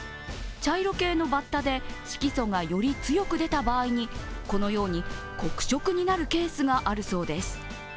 茶色系のバッタで色素がより強く出た場合にこのように黒色になるケースがあるそうです。